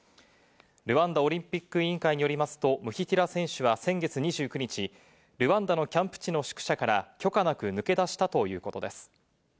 ルワンダオリンピック委員会によりますと、ムヒティラ選手は先月２９日、ルワンダのキャンプ地の宿舎から、許可なく抜け出したということです。